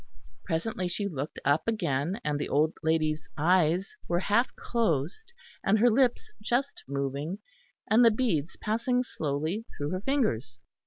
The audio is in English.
Presently she looked up again, and the old lady's eyes were half closed, and her lips just moving; and the beads passing slowly through her fingers.